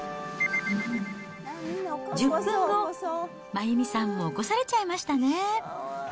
１０分後、真弓さんも起こされちゃいましたね。